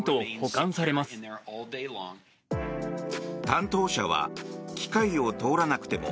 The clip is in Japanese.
担当者は機械を通らなくても